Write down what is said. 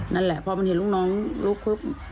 นั่นแหละพอมันเห็นลูกน้องลุกปุ๊บ